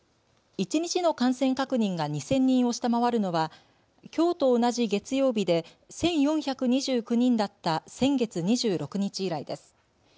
一日の感染確認が２０００人を下回るのはきょうと同じ月曜日で１４２９人だった先月２６日以来です。